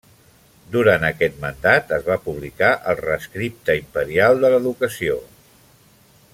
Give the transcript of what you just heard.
Durant aquest mandat es va publicar el Rescripte Imperial de l'Educació.